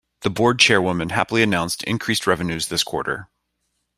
The board chairwoman happily announced increased revenues this quarter.